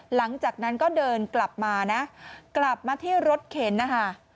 หลังจากนั้นก็เดินกลับมานะกลับมาที่รถเข็นนะคะ